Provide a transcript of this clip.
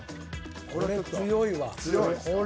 これ強いわ。